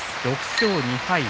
６勝２敗。